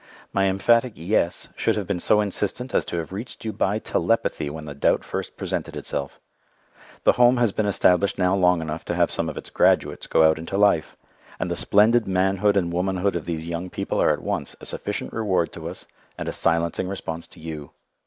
My emphatic "yes" should have been so insistent as to have reached you by telepathy when the doubt first presented itself. The Home has been established now long enough to have some of its "graduates" go out into life; and the splendid manhood and womanhood of these young people are at once a sufficient reward to us and a silencing response to you.